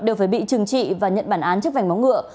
đều phải bị trừng trị và nhận bản án trước vành máu ngựa